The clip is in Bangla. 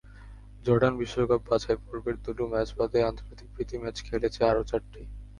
জর্ডান বিশ্বকাপ বাছাইপর্বের দুটো ম্যাচ বাদে আন্তর্জাতিক প্রীতি ম্যাচ খেলেছে আরও চারটি।